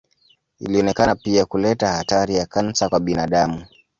Ilionekana pia kuleta hatari ya kansa kwa binadamu.